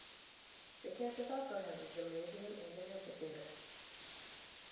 The campus also has a gymnasium and an amphitheatre.